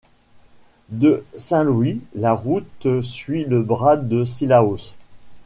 De Saint-Louis, la route suit le bras de Cilaos.